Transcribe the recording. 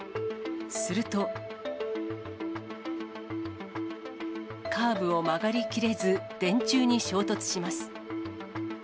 すると、カーブを曲がりきれず、電柱に衝突します。